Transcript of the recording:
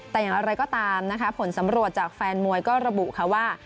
แต่อย่างไรก็ตามนะคะผลสำรวจจากแฟนมวยก็ระบุค่ะว่า